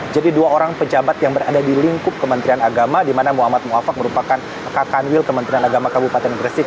jadi dua orang pejabat yang berada di lingkup kementerian agama di mana muhammad mu'afak merupakan kakan wil kementerian agama kabupaten gresik